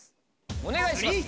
お願いします。